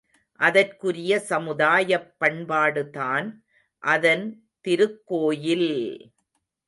அதற்குரிய சமுதாயப் பண்பாடுதான் அதன் திருக்கோயில்!